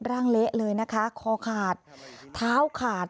ร่างเละเลยนะคะคอขาดท้าวขาด